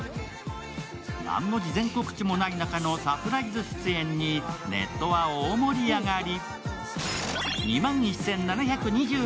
何の事前告知もない中のサプライズ出演にネットは大盛り上がり。